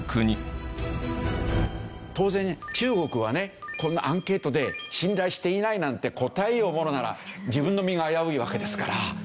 当然中国はねこんなアンケートで信頼していないなんて答えようものなら自分の身が危ういわけですから。